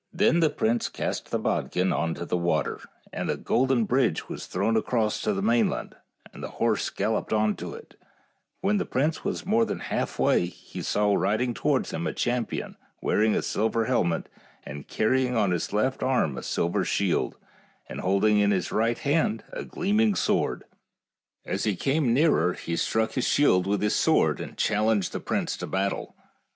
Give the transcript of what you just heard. Then the prince cast the bodkin on to the water, and a golden bridge was thrown across to the mainland, and the horse galloped on to it, THE ENCHANTED CAVE G9 and when the prince was more than halfway he saw riding towards him a champion wearing a silver helmet, and carrying on his left arm a sil ver shield, and holding in his right hand a gleam ing sword. As he came nearer he struck his shield with his sword and challenged the prince to battle.